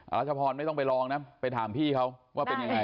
รัชพรไม่ต้องไปลองนะไปถามพี่เขาว่าเป็นยังไง